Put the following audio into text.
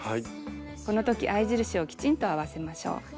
このとき合い印をきちんと合わせましょう。